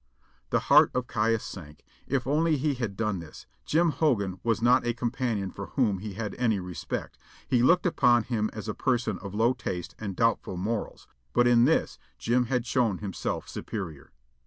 The heart of Caius sank. If only he had done this! Jim Hogan was not a companion for whom he had any respect; he looked upon him as a person of low taste and doubtful morals, but in this Jim had shown himself superior.